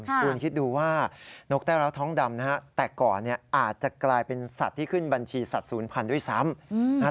คุณคิดดูว่านกแต้ร้าวท้องดำนะฮะแต่ก่อนอาจจะกลายเป็นสัตว์ที่ขึ้นบัญชีสัตว์ศูนย์พันธุ์ด้วยซ้ำ